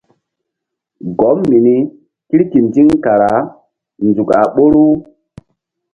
Gɔm mini kirkindiŋ kara nzuk a ɓoru.